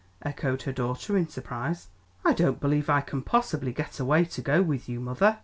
echoed her daughter in surprise. "I don't believe I can possibly get away to go with you, mother.